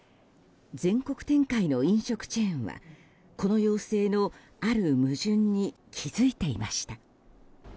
全国展開の飲食チェーンはこの要請のある矛盾に気づいていました。